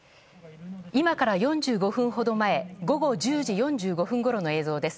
今から４５分ほど前午後１０時４５分ごろの映像です。